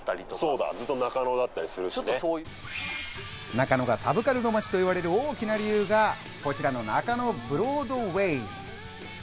中野がサブカルの街といわれる大きな理由が、こちらの中野ブロードウェイ。